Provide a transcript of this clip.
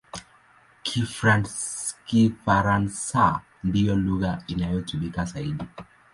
Kifaransa ndiyo lugha inayotumika zaidi.